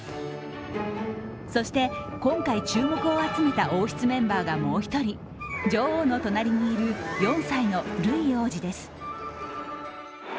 そして今回注目を集めた王室メンバーがもう１人、女王の隣にいる４歳のルイ王子です。